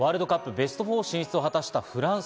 ベスト４進出を果たしたフランス。